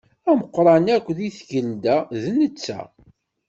Ameqqran akk di tgelda, d netta.